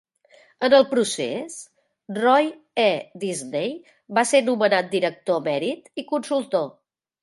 En el procés, Roy E. Disney va ser nomenat director emèrit i consultor.